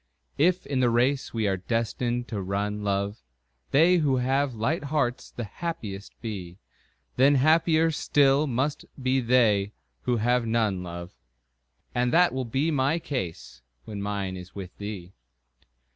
If in the race we are destined to run, love, They who have light hearts the happiest be, Then happier still must be they who have none, love. And that will be my case when mine is with thee.